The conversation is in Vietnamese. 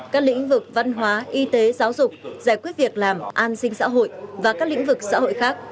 các lĩnh vực văn hóa y tế giáo dục giải quyết việc làm an sinh xã hội và các lĩnh vực xã hội khác